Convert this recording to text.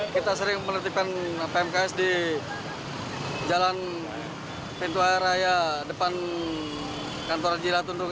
kita sering meletihkan pmks di jalan pintu air raya depan kantor jilatun tung